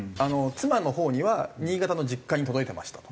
妻のほうには新潟の実家に届いてましたと。